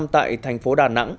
tại thành phố đà nẵng